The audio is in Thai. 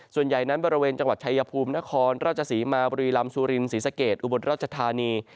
ส่วนใหญ่นั้นบริเวณจังหวัดชายภูมินครราชศรีมาบุรีลำซูรินศรีสะเกดอุบลราชธานี